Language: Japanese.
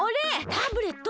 タブレット？